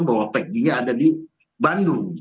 bahwa peggy nya ada di bandung